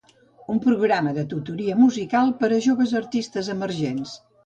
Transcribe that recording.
Un programa de tutoria musical per a joves artistes emergents.